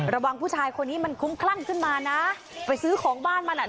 ผู้ชายคนนี้มันคุ้มคลั่งขึ้นมานะไปซื้อของบ้านมันอ่ะ